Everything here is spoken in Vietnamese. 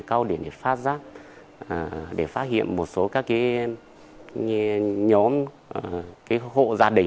cái câu để phát giác để phát hiện một số các cái nhóm hộ gia đình